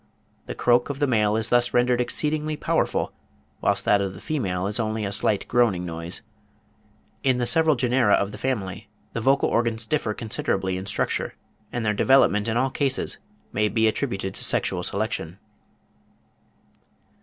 The croak of the male is thus rendered exceedingly powerful; whilst that of the female is only a slight groaning noise. (50. Bell, ibid. pp. 112 114.) In the several genera of the family the vocal organs differ considerably in structure, and their development in all cases may be attributed to sexual selection.